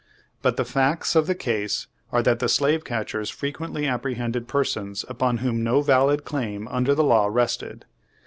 But the facts of the case are that the slave catchers frequently appre hended persons upon whom no valid claim under the lav/ rested.